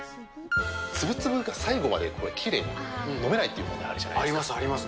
つぶつぶが最後まできれいに飲めないっていう問題あるじゃなあります、あります。